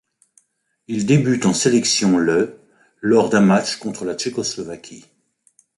Il débute en sélection le lors d'un match contre la Tchécoslovaquie.